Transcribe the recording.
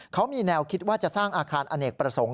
เขามีแนวคิดว่าจะสร้างอาคารอเนกประสงค์